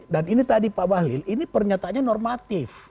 dan ini tadi pak bahlil ini pernyatanya normatif